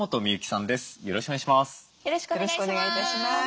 よろしくお願いします。